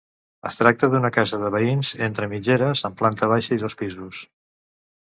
Es tracta d'una casa de veïns entre mitgeres amb planta baixa i dos pisos.